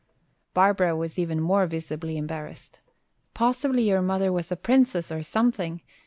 Barbara was even more visibly embarrassed. "Possibly your mother was a princess or something!"